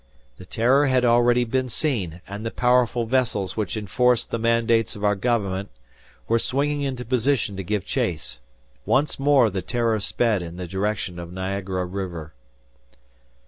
The "Terror" had already been seen, and the powerful vessels which enforced the mandates of our government were swinging into position to give chase. Once more the "Terror" sped in the direction of Niagara River.